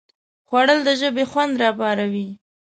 خوړل د ژبې خوند راپاروي